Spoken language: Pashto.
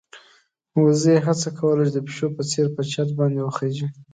وزې هڅه کوله چې د پيشو په څېر په چت باندې وخېژي.